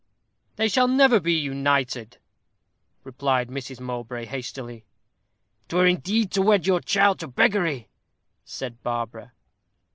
"They never shall be united," replied Mrs. Mowbray, hastily. "'Twere indeed to wed your child to beggary," said Barbara.